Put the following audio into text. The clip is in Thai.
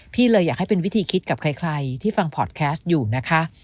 พี่เลยอยากให้เป็นวิธีคิดกับใครที่ฟังพอร์ตแคสต์อยู่นะคะ